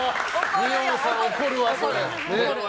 二葉さん、怒るわ、それ。